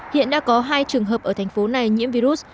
hiện đã có hai trường hợp ở thành phố này nhiễm virus